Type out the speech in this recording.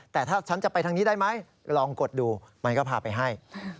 แต่ถ้าฉันจะไปทางนี้ได้ไหมลองกดดูมันก็พาไปให้